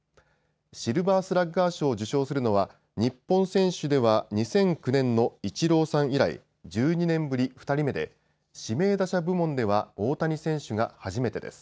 シルバースラッガー賞を受賞するのは日本選手では２００９年のイチローさん以来１２年ぶり２人目で指名打者部門では大谷選手が初めてです。